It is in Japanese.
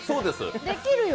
できるよ。